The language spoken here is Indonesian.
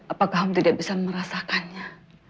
apakah kamu tidak bisa merasakannya